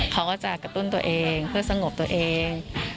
เขาก็จะกระตุ้นตัวเองเพื่อสงบตัวเอง